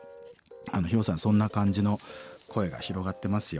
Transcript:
ヒロさんそんな感じの声が広がってますよ。